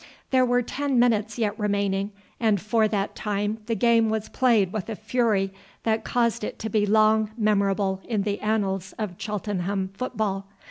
There were ten minutes yet remaining, and for that time the game was played with a fury that caused it to be long memorable in the annals of Cheltenham football.